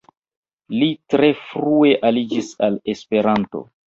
Li tre frue aliĝis al Esperanto.